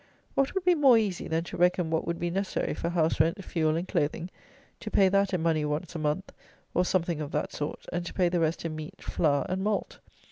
What would be more easy than to reckon what would be necessary for house rent, fuel, and clothing; to pay that in money once a month, or something of that sort, and to pay the rest in meat, flour, and malt?